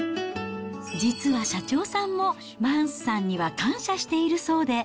実は社長さんも、マンスさんには感謝しているそうで。